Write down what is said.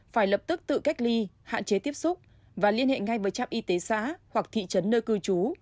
phải lập tức tự cách ly hạn chế tiếp xúc và liên hệ ngay với trạm y tế xã hoặc thị trấn nơi cư trú